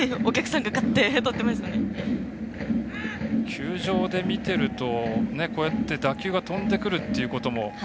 球場で見ているとこうやって、打球が飛んでくるということも。